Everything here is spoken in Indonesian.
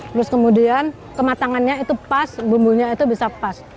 terus kemudian kematangannya itu pas bumbunya itu bisa pas